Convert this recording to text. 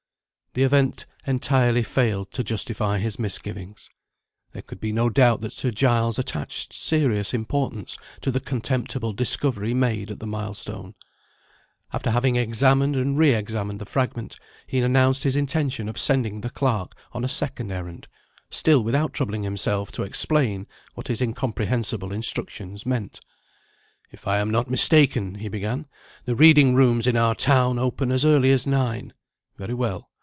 The event entirely failed to justify his misgivings. There could be no doubt that Sir Giles attached serious importance to the contemptible discovery made at the milestone. After having examined and re examined the fragment, he announced his intention of sending the clerk on a second errand still without troubling himself to explain what his incomprehensible instructions meant. "If I am not mistaken," he began, "the Reading Rooms, in our town, open as early as nine. Very well.